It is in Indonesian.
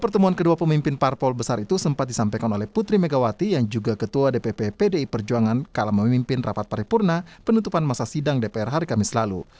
pertemuan kedua pemimpin parpol besar itu sempat disampaikan oleh putri megawati yang juga ketua dpp pdi perjuangan kala memimpin rapat paripurna penutupan masa sidang dpr hari kamis lalu